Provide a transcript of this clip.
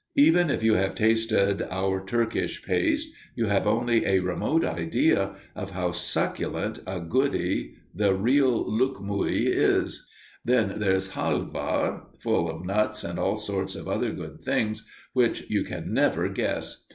Even if you have tasted our Turkish paste, you have only a remote idea of how succulent a goody the real loukoumi is. Then there is halva, full of nuts and all sorts of other good things which you can never guess.